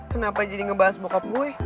kenapa jadi ngebahas bokap gue